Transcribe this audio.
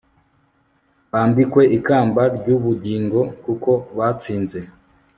bambikwe ikamba ry'ubugingo kuko batsinze